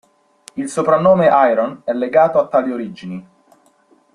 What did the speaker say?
Il soprannome "Iron" è legato a tali origini.